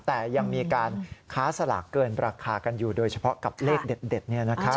แต่ยังมีการค้าสลากเกินราคากันอยู่โดยเฉพาะกับเลขเด็ด